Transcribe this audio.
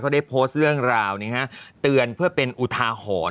ได้โพสต์เรื่องราวเตือนเพื่อเป็นอุทาหรณ์